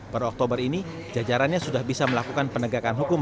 pada oktober ini jajarannya sudah bisa melakukan penegakan hukum